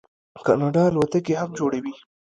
کاناډا الوتکې هم جوړوي.